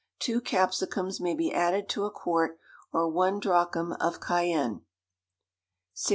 Two capsicums may be added to a quart, or one drachm of cayenne. 1667.